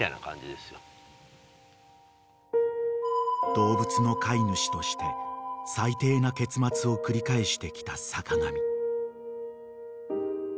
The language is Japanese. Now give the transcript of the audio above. ［動物の飼い主として最低な結末を繰り返してきた坂上］